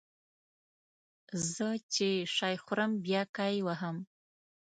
زه چې شی خورم بیا کای وهم